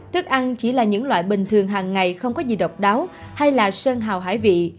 thức ăn chỉ là những loại bình thường hàng ngày không có gì độc đáo hay là sơn hào hải vị